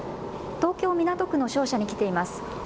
東京港区の商社に来ています。